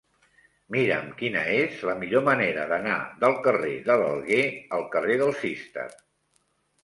Mira'm quina és la millor manera d'anar del carrer de l'Alguer al carrer del Cister.